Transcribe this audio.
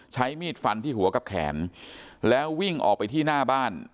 ใช้มีดฟันที่หัวกับแขนแล้ววิ่งออกไปที่หน้าบ้าน